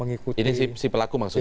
ini si pelaku maksudnya